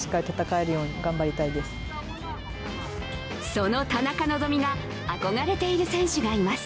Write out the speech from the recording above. その田中希実が憧れている選手がいます。